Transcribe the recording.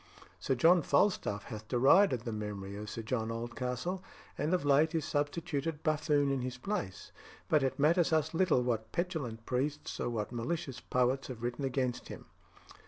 Sir John Falstaff hath derided the memory of Sir John Oldcastle, and of late is substituted buffoon in his place; but it matters us little what petulant priests or what malicious poets have written against him."